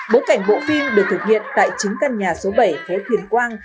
bốn cảnh bộ phim được thực hiện tại chính căn nhà số bảy phế thiên quang